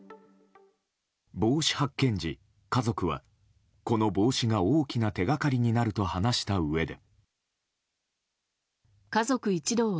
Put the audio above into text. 帽子発見時、家族はこの帽子が大きな手掛かりになると話したうえで。